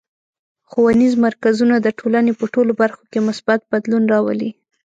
ښوونیز مرکزونه د ټولنې په ټولو برخو کې مثبت بدلون راولي.